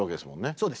そうです。